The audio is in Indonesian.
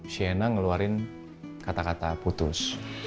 shena ngeluarin kata kata putus